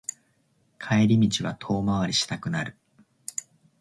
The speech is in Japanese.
帰り道は遠回りしたくなる